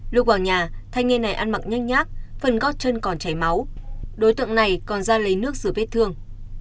lúc vào nhà thanh niên này ăn mặc nhanh nhác phần gót chân còn chảy máu đối tượng này còn ra lấy nước rửa vết thương